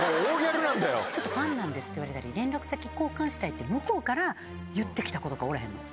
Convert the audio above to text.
「ファンなんです」って言われたり「連絡先交換したい」って向こうから言ってきたコとかおらへんの？